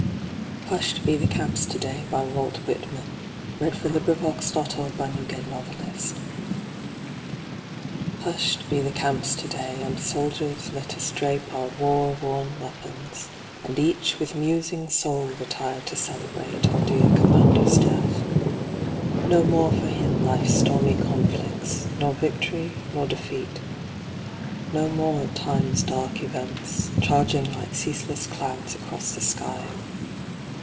hat your children en masse really are?) Walt Whitman (1865) Hush'd Be the Camps Today May 4, 1865 HUSH'D be the camps today, And soldiers let us drape our war worn weapons, And each with musing soul retire to celebrate, Our dear commander's death. No more for him life's stormy conflicts, Nor victory, nor defeat no more time's dark events, Charging like ceaseless clouds across the sky.